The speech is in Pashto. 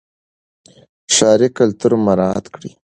ښاري کلتور مراعات کړئ.